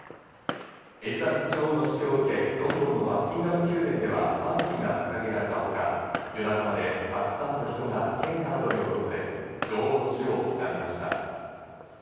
エリザベス女王の死去を受け、ロンドンのバッキンガム宮殿では半旗が掲げられたほか、夜中までたくさんの人が献花などに訪れ、女王の死を悼みました。